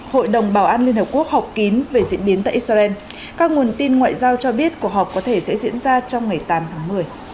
hội đồng bảo an liên hợp quốc họp kín về diễn biến tại israel các nguồn tin ngoại giao cho biết cuộc họp có thể sẽ diễn ra trong ngày tám tháng một mươi